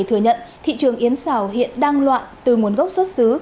thừa nhận thị trường yến xảo hiện đang loạn từ nguồn gốc xuất xứ